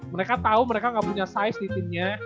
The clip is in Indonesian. mereka tahu mereka nggak punya size di timnya